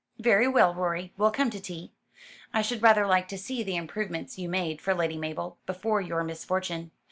"Very well, Rorie, we'll come to tea. I should rather like to see the improvements you made for Lady Mabel, before your misfortune.